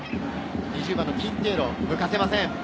２０番のキンテーロ、抜かせません。